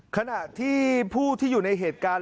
ขณะที่ผู้ที่อยู่ในเหตุการณ์